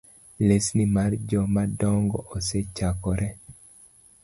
Lesni mar jomadongo osechakore